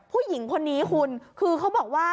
ผู้หญิงคนนี้คุณคือเขาบอกว่า